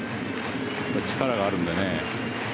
力があるんでね。